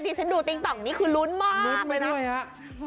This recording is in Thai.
ที่ฉันดูติ๊งต่อมนี้คือลุ้นมากลุ้นไปด้วยฮะอ่า